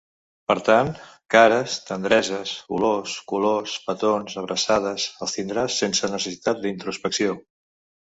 Per tant, cares, tendreses, olors, colors, petons, abraçades, els tindràs sense necessitat d’introspecció.